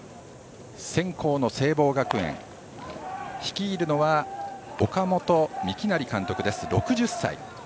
先攻の聖望学園率いるのは岡本幹成監督、６０歳。